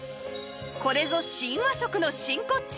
これぞ新和食の真骨頂